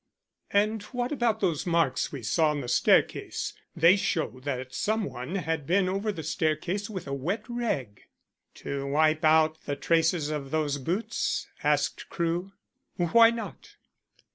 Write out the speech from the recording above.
"And what about those marks we saw on the staircase? They show that some one had been over the staircase with a wet rag." "To wipe out the traces of those boots?" asked Crewe. "Why not?"